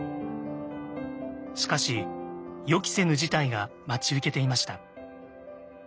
しかし予期せぬ事態が待ち受けていました。